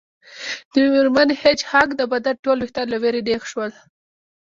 د میرمن هیج هاګ د بدن ټول ویښتان له ویرې نیغ شول